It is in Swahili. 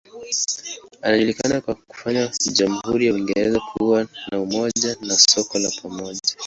Anajulikana kwa kufanya jamhuri ya Uingereza kuwa na umoja na soko la pamoja.